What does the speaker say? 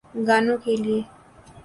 گانوں کیلئے۔